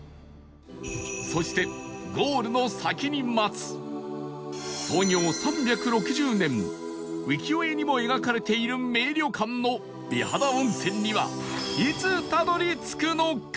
そしてゴールの先に待つ創業３６０年浮世絵にも描かれている名旅館の美肌温泉にはいつたどり着くのか？